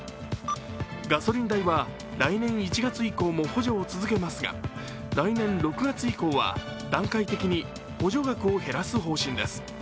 ガソリン代は来年１月以降も補助を続けますが来年６月以降は、段階的に補助額を減らす方針です。